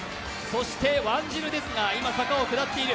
ワンジルですが、今、坂を下っている。